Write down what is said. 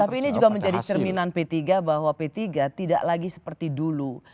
tapi ini juga menjadi cerminan p tiga bahwa p tiga tidak lagi seperti dulu